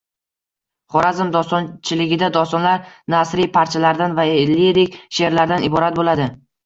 Xorazm dostonchiligida dostonlar nasriy parchalardan va lirik she'rlardan iborat bo'ladi